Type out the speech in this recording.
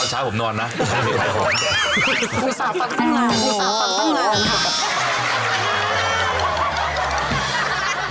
อุตส่าห์ฝันตั้งร้าน